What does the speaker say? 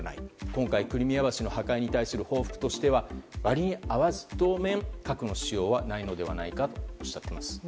今回、クリミア橋の爆破に対する報復としては割に合わず当面、核の使用はないのではないかとおっしゃっています。